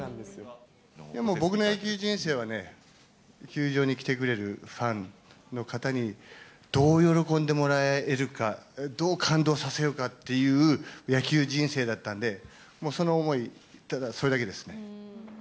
もう僕の野球人生はね、球場に来てくれるファンの方に、どう喜んでもらえるか、どう感動させようかっていう野球人生だったので、もうその思い、ただそれだけです。